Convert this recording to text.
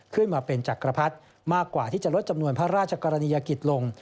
ขึ้นมาเป็นจักรพรรดิมากกว่าที่จะลดจำนวนพระราชกรณียกิจลง